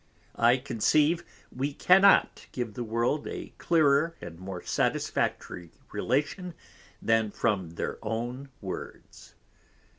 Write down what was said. I conceive we cannot give the World a clearer and more Satisfactory Relation than from their own Words.